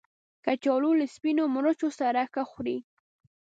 کچالو له سپینو مرچو سره ښه خوري